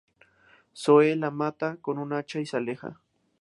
Zoe la mata con un hacha y se aleja.